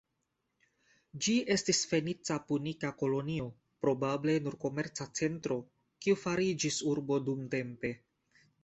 Ĝi estis fenica-punika kolonio, probable nur komerca centro, kiu fariĝis urbo dumtempe.